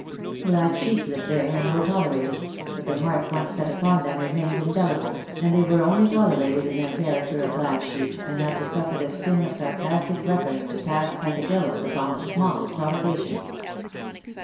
Black sheep lived there and were tolerated ; but the mark once set upon them remained indelible, and they were only tolerated in their character of black sheep, and had to suffer the sting of sarcastic reference to past peccadilloes upon the smallest provo cation.